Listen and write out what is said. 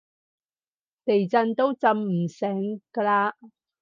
地震都震唔醒㗎喇